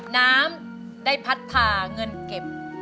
น้ำได้พัดผ่าเงินเก็บ